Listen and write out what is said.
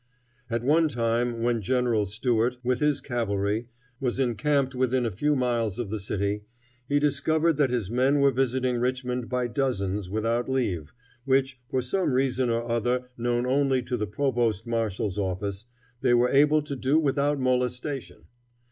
At one time, when General Stuart, with his cavalry, was encamped within a few miles of the city, he discovered that his men were visiting Richmond by dozens, without leave, which, for some reason or other known only to the provost marshal's office, they were able to do without molestation.